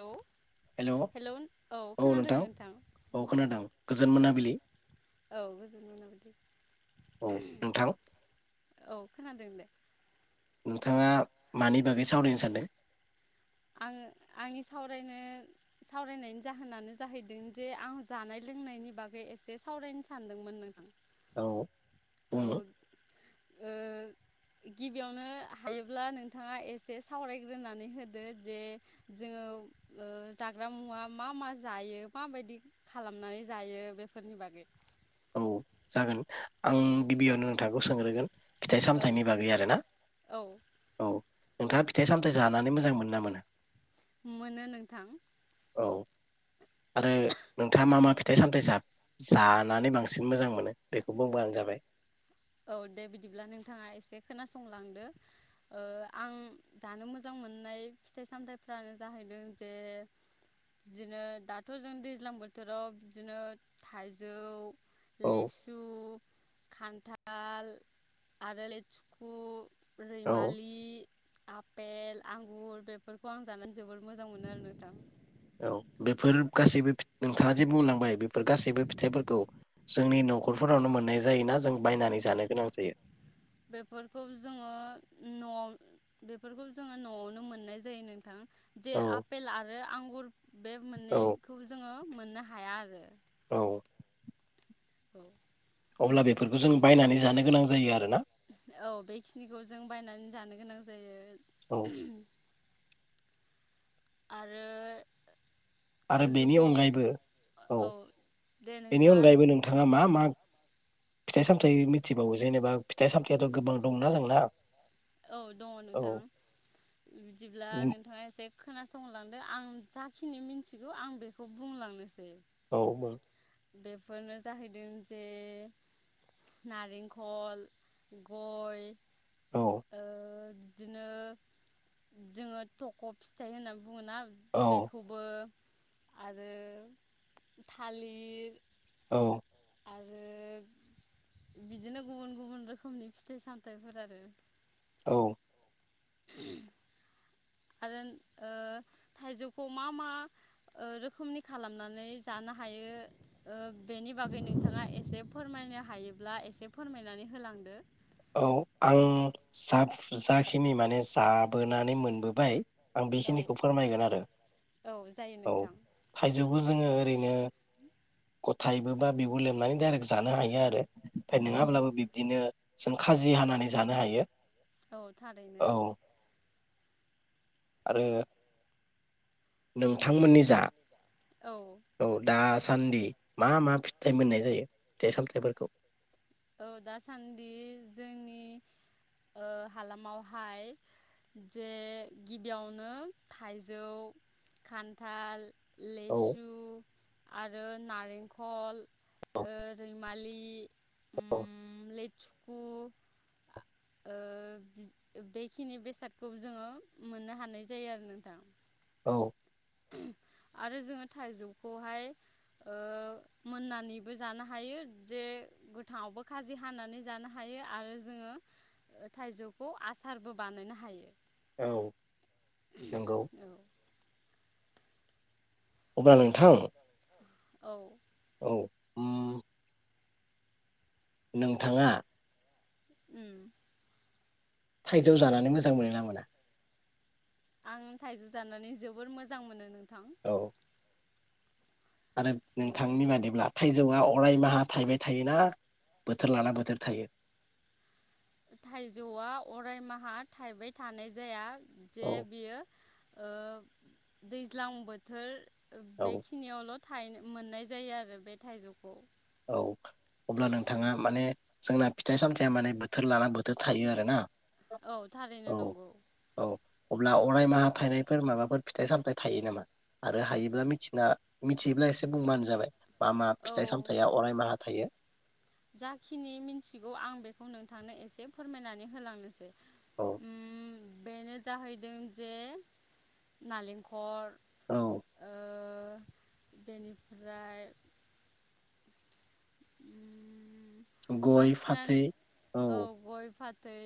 Hello hello औ hello औ खोनादों नोंथां औ खोनादों गोजोन औ मोनाबिलि औ औ खोनादों दे। नोंथाङा मानि बागै सावरायनो सानदों। आङो आंनि सावरायनो सावरायनायनि जाहोनानो जाहैदों जे आं जानाय लोंनायनि बागै एसे सावरायनो सानदोंमोन नोंथां औ औ बुंदो ओ गिबियावनो हायोब्ला नोंथाङा एसे सावरायग्रोनानै होदो। जे जोङो जाग्रा मुवा मा मा जायो माबायदि खालामनानै जायो बेफोरनि बागै? औ जागोन आं औ गिबियावनो नोंथांखौ सोंग्रोगोन फिथाइ औ सामथायाइनि बागै आरो ना औ नोंथाङा फिथाइ सामथायाइ जानानै मोजां मोनो ना मोना? मोनो नोंथां औ आरो नोंथाङा मा मा फिथाइ सामथाइ जा-जानानै बांसिन मोजां मोनो? मोनो बेखौ बुंबानो जाबाय। औ दे बिदिब्ला नोंथाङा एसे खोनासंलांदो ओ आं जानो मोजां मोननाय फिथाइ सामथायाइफ्रानो जाहैदों जे बिदिनो दाथ' जों दैज्लां बोथोराव बिदिनो थाइजौ औ लेसु खानथा थाल आरो लेथुखु औ रैमलि आ पेल आंगुर बेफोरखौ आं जानानै जोबोद मोजां मोनो आरो नोंथां। औ बेफोर गासैबो फि नोंथाङा जे बुंलांबाय बे फोर गासैबो फिथाइफोरखौ जोंनि न'खरफोरावनो मोननाय जायोना जों बायनानै जानो गोनां जायो बेफोरखौ जोङो न'आव बेफोरखौ जोङो न'आवनो मोननाय जायो नोंथां। जे औ आपेल आरो आंगुर बे औ मोननैखौ जोङो मोननो हाया आरो औ औ अब्ला बेफोरखौ जों बायनानै जानो गोनां जायो आरोना औ बेखिनिखौ जों बायनानै जानो गोनां जायो। औ। आरो। आरो बेनि थाइजौखौ अनगायैबो औ दे बेनि नोंथाङा अनगायैबो नोंथाङा मा मा फिथाइ सामथायाइ मिथिबावो जेनेबा फिथाइ सामथाययाथ गोबां दंना जोंना। औ दङ औ नोंथां बिदिब्ला नोंथाङा एसे खोनासंलांदो आं जाखिनि मिन्थिगौ आं बेखौ बुंलांनोसै। औ बुं। बेफोरनो जाहैदों जे नारेंखल गय औ ओ बिदिनो जोङो थख' फिथाइ होनना बुङो ना बेखौबो आरो थालि औ। आरो बिदिनो गुबुन गुबुन रोखोमनि फिथाइ सामथाइफोर आरो। औ। [unintelligible] आरो ओ थाइजौखौ मा मा ओ रोखोमनि खालामनानै जानो हायो ओ बेनि बागै नोंथाङा एसे फोरमायनो हायोब्ला एसे फोरमायनानै होलांदो। औ आं जा जाखिनि माने जाबोनानै मोनबोबाय आं औ बेखिनिखौ फोरमायगोन आरो औ जायो औ नोंथां थायजौ खौ जोङो ओरैनो थाइबो बा बिगुर लेमनानै डाइरेक्ट जानो हायो आरो। फाय औ नोङाब्लाबो बिब्दिनो जों खाजि हानानै जानो हायो। औ औ थारैनो। आरो नोंथांमोननि जा औ औ दा सान्दि मा मा फिथाइ मोननाय जायो फिथाइ सामथायाइफोरखौ? औ दासान्दि जोंनि ओ हालामावहाय जे गिबियावनो थाइजौ खान्थाल औ लेसु आरो नारेंखल औ ओ रैमालि इ औ ओम लेथुखु ओ बेखिनि बेसादखौ जोङो मोननो हानाय जायो आरो नोंथां। औ। [unintelligible] आरो जोङो थाइजौखौहाय ओ मोननानैबो जानो हायो जे गोथाङावबो खाजि हानानै जानो हायो आरो जोङो थाइजौखौ आसारबो बानायनो हायो। औ नंगौ। अब्ला नोंथां। औ। औ उम नोंथाङा उम। थाइजौ जानानै मोजां मोनो ना मोना? आं थाइजौ जानानै जोबोर मोजां मोनो नों थां। औ आरो नोंथांनि बादिब्ला थाइजौआ अरायमाहा थाइबाय थायोना बोथोर लाना बोथोर थायो? थाइजौआ अरायमाहा थाइबाय थानाय जाया। जे औ बियो ओ दैज्लां बोथोर औ बेखिनिआवल थायो मोननाय जायो आरो बे थाइजौ औ अब्ला नोंथांङा माने जोंना फिथाइ सामथाया माने बोथोर लाना बोथोर थायो आरो ना। औ थारैनो नंगौ। अब्ला अरायमाहा थाइनायफोर माबाफोर फिथाइ सामथाइ थायो नामा आरो हायोब्ला मिथिना मिथियोब्ला एसे बुंबानो जाबाय। मा मा औ फिथाइ साम अरायमाहा थायो जाखिनि मिन्थिगौ आं बेखौ नोंथांनो एसे फोरमायनानै होलांनोसै। औ उम बेनो जाहैदों जे नालेंखर औ ओ बेनिफ्राय गय फाथै औ। थै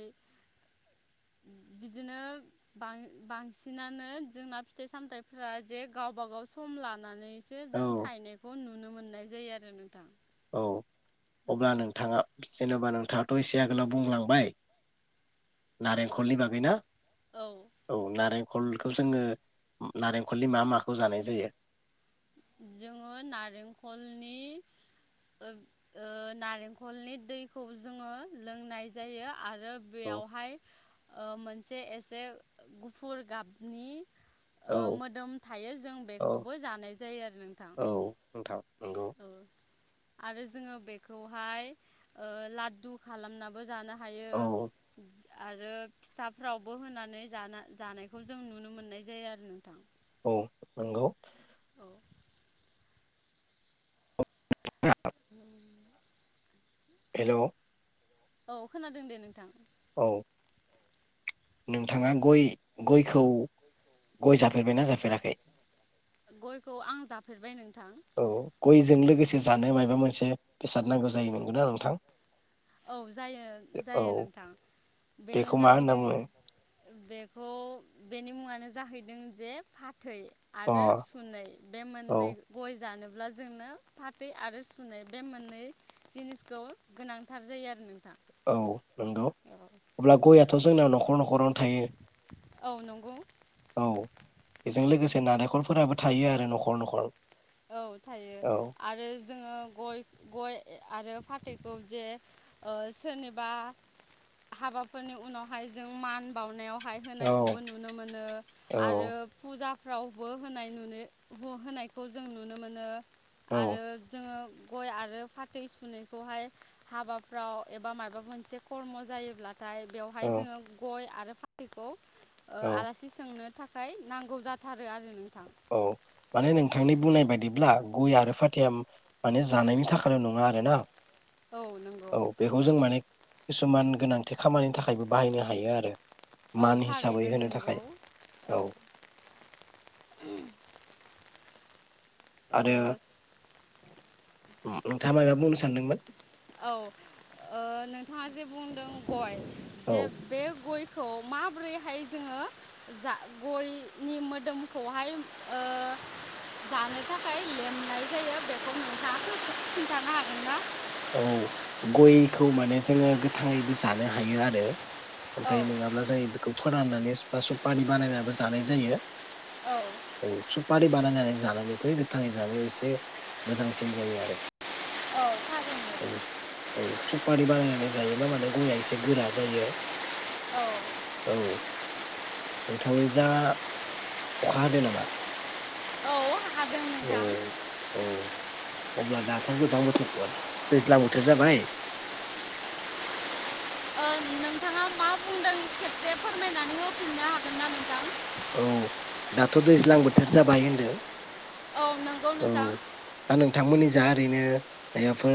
बिदिनो बां-बांसिनानो जोंना फिथाइ सामथाइफोरा जे गावबा गाव सम लानानै जे जों औ थायनायखौ नु नुनो मोननाय जायो आरो नोंथां। औ औ अब्ला नोंथांङा जेनेबा नोंथांङाथ एसे आगोलाव बुंलांबाय नारेंखलनि बागै ना औ औ नारेंख खलखौ जोंङो नारेंखलनि मा माखौ जानाय जायो? जोंङो नारेंखलनि ओ ओ नारेंखलनि दैखौ जोंङो लोंनाय जायो आरो आरो औ बेयावहाय ओ मोनसे एसे गुफुर गाबनि ओ औ मोदोम थायो जों औ बेखौबो जानाय जायो आरो नोंथां। औ नोंथां नंगौ औ आरो जोंङो बेखौहाय ओ लाद्दु खालामनाबो जानो हा हायो औ आरो फिथाफ्रावबो होनानै जाना जानायखौ जों नुनो मोननाय जायो आरो नोंथां औ नंगौ। [unintelligible] [unintelligible] हेल' औ खोनादों दे नोंथां औ नोंथाङा गय गयखौ गय जा गयखौ आं जाफेरबाय नोंथां। औ गयजों लोगोसे जानो मायबा मोनसे बे जाथानांगौ जायो नंगौना नोंथां। औ जायो जायो नोंथां बेनो बेखौ मा होनना जाहैदों बुङो बेखौ बेनि मुङानो जाहैदों जे फा थै अ आरो सुनै बे मोननै औ गय जानो ब्ला जोंनो फाथै आरो सुनाय बे मोननै जिनिसखौ गोनां थार जायो आरो नों औ नंगौ अब्ला गयाथ' जोंना न'खर न'खरावनो थायो औ नंगौ औ बेजों लोगोसे नारेंखलफोराबो थायो आरो न'खर न'खर औ थायो औ आरो जोङो गय गय ए आरो फाथैखौ जे ओ सोरनिबा हाबाफोरनि उनावहाय जों मान बावनायाव हाय औ होनायखौबो नुनो मोनो औ आरो फुजा फ्रावबो होनाय नुनो ह होनायखौ जों नुनो मोनो। औ आरो जोङो गय आरो फाथै सुैखौहाय हाबाफ्राव एबा माबा मोनसे खर्म' जायोब्ला थाय बेवहाय जोङो गय आरो फाथैखौ ओ औ आलासि सोंनो थाखाय नांगौ जाथारो आरो नोंथां। औ माने नोंथांनि बुंनाय बायदिब्ला गय आरो फाथैया माने जानायनि थाखायल' नङा आरो ना औ नंगौ औ बेखौ जों माने किसुमान गोनांथि खामानिनि थाखायबो बाहायनो हायो आरो औ मान हिसाबै थारैनो होनो नंगौ थाखाय औ ओ आरो उम नोंथाङा मायबा बुंनो सानदोंमोन? औ ओ नोंथाङा जे बुंदों गय' औ जे बे गय' खौ माबोरैहाय जोङो जा गयनि मोदोमखौहाय ओ जानो थाखाय लेमनाय जायो बेखौ नोंथाङा फोर खिन्थानो हागोनना? औ गयखौ माने जोङो गोथाङैबो जानो हायो आरो औ ओमफाय नङाब्ला जायो बेखौ फोराननानै नेस बा सपारि बानायनाबो जानाय जायो। औ औ सुपारिब बानायनानै जानायनिख्रुइ गोथाङै जानायाव एसे मोजांसिन जायो आरो औ फा औ औ सुपारि बानायनानै जायोब्ला माने गयआ एसे गोरा जायो। औ औ नोंथांनि जा अखा हादो नामा? हादों औ नोंथां। औ अब्ला दाथ' गोजां बोथोरमोन। दैज्लां बोथोर जाबाय ओ नोंथाङा मा बुंदों खेबसे फोरमायनानै होफिननो हागोन ना नोंथां? औ दाथ' दैज्लां बोथोर जाबाय होनदो। औ नंगौ औ नोंथां दा नोंथांमोननि जा ओरैनो मायबाफोर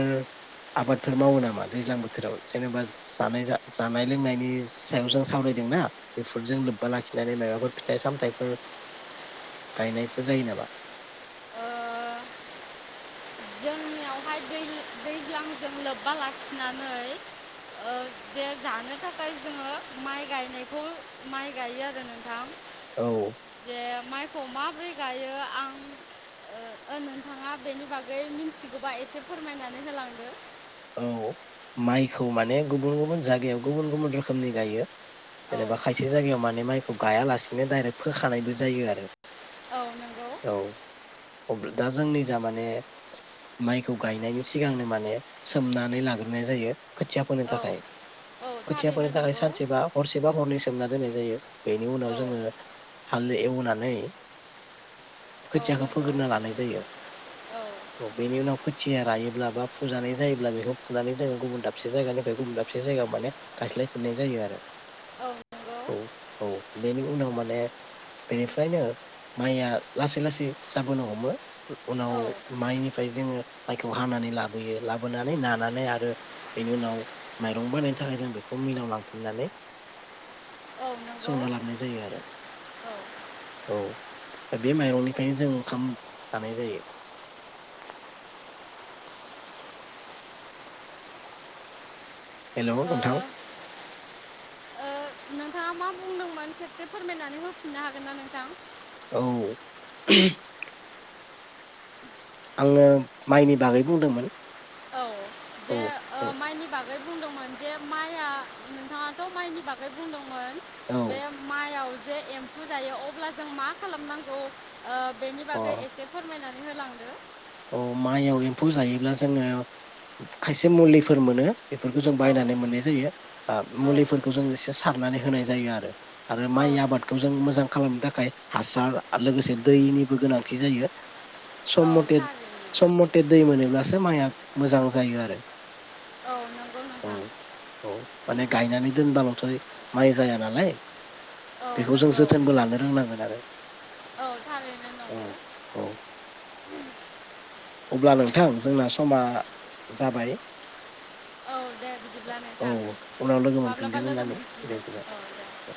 आबादफोर मावो नामा दैज्लां बोथोराव जेनेबा जानाय-जा-जानाय लोंनायनि सायाव जों सावरायदोंना बेफोरजों लोब्बा लाखिनानै मायबाफोर फिथाइ सामथाइफोर गायनायफोर जायो नामा? ओ जोंनियावहाय दै दैज्लांजों लोब्बा लाखिनानै ओ जे जानो थाखाय जोङो माइ गायनायखौ माइ गायो आरो नोंथां। औ जे माइखौ माबोरै गायो आं ओ नोंथाङा बेनि बागै मिथिगोबा एसे फोरमायनानै होलांदो। औ माइखौ माने गुबुन गुबुन जागायाव गुबुन गुबुन रोखोमनि गायो। औ जेनेबा खायसे जायगायाव माने माइ खौ गायालासेनो दाइरेक्ट फोखानायबो जायो आरो औ नंगौ। औ अब्ला दा जोंनि जा माने माइखौ गायनायनि सिगांनो माने सोमनानै लाग्रोनाय जायो। खोथिया फोनो औ थाखाय औ खोथिया थारैनो फोनो थाखाय नंगौ सानसेबा हरसेबा हरनै खोबना दोननाय जायो। बेनि उनाव औ जोङो हाल एवनानै खोथियाखौ नंगौ फोग्रोना लानाय जायो औ बेनि उनाव खोथिया रायोब्ला बा फु फुजानाय जायोब्ला बेखौ फुनानै जोङो गुबुन दाबसे जायगानिफ्राय गुबुन दाबसे जायगायाव माने गायस्लायफिननाय जायो आरो। औ नंगौ औ औ बेनि उनाव माने बेनिफ्रायनो माइया लासै लासै जाबोनो हमो उनाव औ माइनिफ्राय जोङो माइखौ हानानै लाब लाबोयो लाबोनानै नानानै आरो बेनि उनाव माइरं बानायनो थाखाय जों बेखौ मिलाव लांफिननानै औ नंगौ सौना लाबोनाय जायो आरो औ। बे माइरंनिफ्रायनो जों ओंखाम जानाय जायो। हेलौ नोंथां औ ओ ओ, नोंथाङा मा बुंदोंमोन खेबसे फोरमायनानै होफिननो हागोन ना नोंथां? औ आङो माइनि बागै बुंदोंमोन। औ औ बे ओ औ माइनि बाग नों बुंदोंमोन जे माइया नोंथाङाथ' माइनि बागै बुंदों मोन औ बे माइआव जे एम्फौ जायो अब्ला जों मा खालामनांगौ? ओ बेनि बागै एसे फोरमायना होलांदो अ माइआव एम्फौ जायोब्ला जोङो खायसे मुलिफोर मोनो। बेफोरखौ जों औ बायनानै मोननाय जायो ओ औ मुलिफोरखौ जों एसे सारनानै होनाय जायो आरो। आरो औ माइ आबादखौ जों मोजां खालामनो थाखाय हासार आरो लोगोसे दैनिबो गोनांथि जायो। औ सम मथे थारैनो सम मथे दै मोनोब्लासो माइआ मोजां जायो आरो। औ नंगौ औ नोंथा। औ माने गायनानै दोनबाल'थ' माइ जाया नालाय औ बेखौ जों नंगौ जोथोनबो लानो रोंनांगोनआरो औ थारैनो औ नंगौ औ अब्ला नोंथां जोंना समा जाबाय। औ बिदिब्ला औ नोंथां उनाव लोगो माब्लाबा मोनफिनगोन लोगो होननानै मोनफिनगोन। मिजिंथिबाय। औ दे।